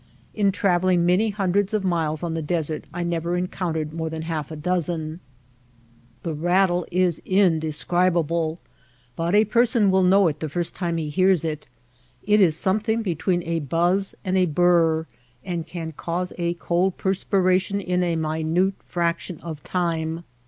In travelling many hundreds of miles on the desert I never encountered more than half a dozen. V DESERT ANIMALS 169 The rattle is indescribable, but a person will know it the first time he hears it. It is some thing between a buzz and a burr, and can cause a cold perspiration in a minute fraction of time.